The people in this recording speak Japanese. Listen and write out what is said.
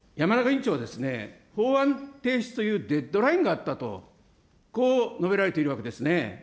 山中委員長ですね、法案提出というデッドラインがあったと、こう述べられているわけですね。